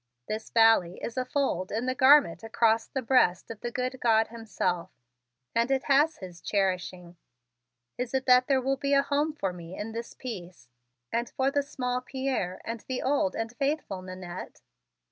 This valley is a fold in the garment across the breast of the good God Himself and it has His cherishing. Is it that there will be a home for me in its peace and for the small Pierre and the old and faithful Nannette?"